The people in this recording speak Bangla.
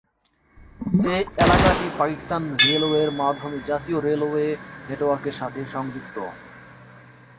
এই এলাকাটি পাকিস্তান রেলওয়ের মাধ্যমে জাতীয় রেলওয়ে নেটওয়ার্কের সাথে সংযুক্ত।